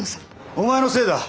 お前のせいだ。